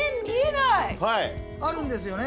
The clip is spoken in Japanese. あるんですよね？